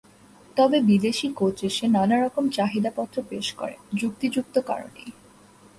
তবে বিদেশি কোচ এসে নানা রকম চাহিদাপত্র পেশ করেন যুক্তিযুক্ত কারণেই।